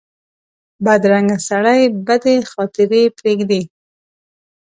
بدرنګه سړي بدې خاطرې پرېږدي